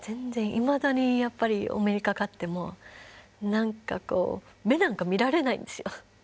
いまだにやっぱりお目にかかっても何かこう目なんか見られないんですよ。